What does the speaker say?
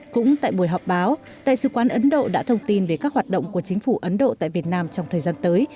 cũng tại buổi họp báo đại sứ quán ấn độ đã thông tin về các hoạt động của chính phủ ấn độ tại việt nam trong thời gian tới